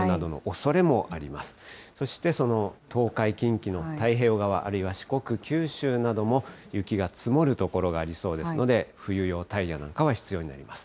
そしてその東海、近畿の太平洋側、あるいは四国、九州なども雪が積もる所がありそうですので、冬用タイヤなんかが必要になります。